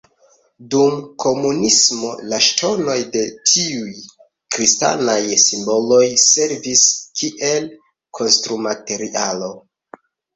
Dum komunismo la ŝtonoj de tiuj kristanaj simboloj servis kiel konstrumaterialo.